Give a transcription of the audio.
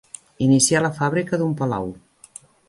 Iniciar la fàbrica d'un palau.